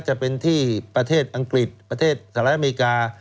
จะเป็นที่ประเทศอังกฤษประเทศสหรัฐอเมริกา